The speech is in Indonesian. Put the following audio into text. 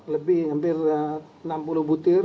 lebih hampir enam puluh butir